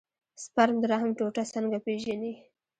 سپرم د رحم ټوټه څنګه پېژني.